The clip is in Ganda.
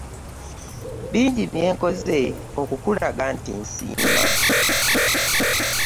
Bingi bye nkoze okukulaga nti nsiima.